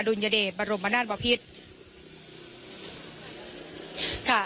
อดุลยเดชร์บรรมไนท์วสิทธิ์